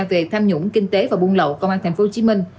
về tham nhũng kinh tế và buôn lậu công an tp hcm